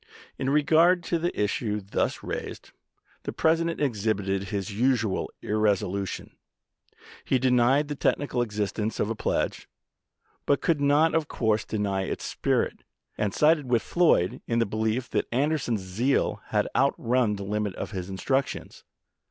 In regard to the issue thus raised, the President exhibited his usual irresolution. He denied the technical existence of a pledge, but could not of course deny its spirit, and sided with Floyd in the belief that Anderson's zeal had outrun the limit of his instructions.